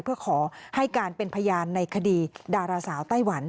เพื่อขอให้การเป็นพยานในคดีดาราสาวไต้หวัน